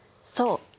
そう。